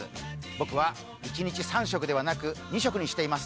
僕は一日３食ではなく２食にしています。